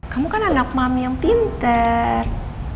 kamu kan anak mami yang pinter